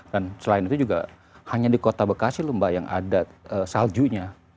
dan selain itu juga hanya di kota bekasi lho mbak yang ada saljunya